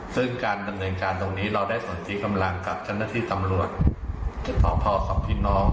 ซึ่งการดำเนินการตรงนี้เราได้สนที่กำลังกับเจ้าหน้าที่ตำรวจสพสองพี่น้อง